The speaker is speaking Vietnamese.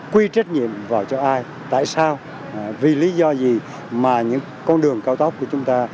quy trách nhiệm vào cho ai tại sao vì lý do gì mà những con đường cao tốc của chúng ta